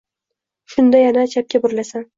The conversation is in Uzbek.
Shunda yana chapga burilasan.